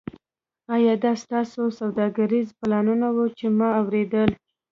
ایا دا ستاسو سوداګریز پلانونه وو چې ما اوریدل